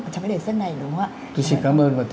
trong cái đề xuất này đúng không ạ